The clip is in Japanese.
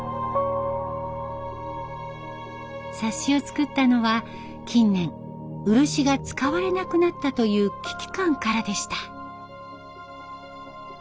冊子を作ったのは近年漆が使われなくなったという危機感からでした。